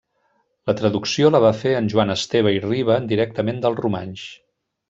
La traducció la va fer en Joan Esteve i Riba directament del romanx.